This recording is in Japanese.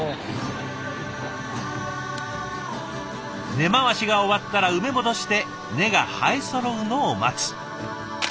根回しが終わったら埋め戻して根が生えそろうのを待つ。